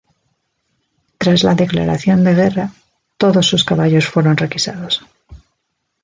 Tras la declaración de guerra, todos sus caballos fueron requisados.